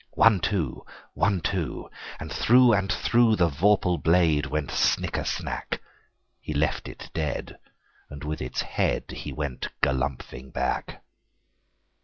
One, two! One, two! And through and throughThe vorpal blade went snicker snack! He left it dead, and with its headHe went galumphing back.